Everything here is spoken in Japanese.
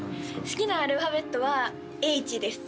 好きなアルファベットは「Ｈ」です